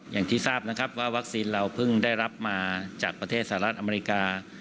อย่างที่ทราบนะครับว่าวัคซีนเราเพิ่งได้รับมาจากประเทศสหรัฐอเมริกา